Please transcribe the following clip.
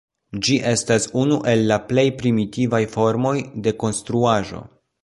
Ĝi estas unu el la plej primitivaj formoj de konstruaĵo.